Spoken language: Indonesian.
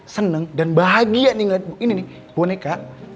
seneng dan bahagia nih ngeliat boneka